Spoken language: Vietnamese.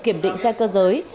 kiểm định xe cơ giới